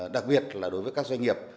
đặc biệt là đối với các doanh nghiệp